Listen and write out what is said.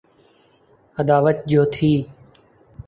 عداوت جو تھی۔